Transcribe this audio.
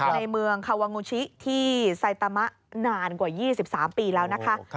ในเมืองคาวางูชิที่ไซตามะนานกว่า๒๓ปีแล้วนะคะ